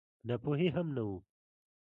ناپوهي هم نه وه.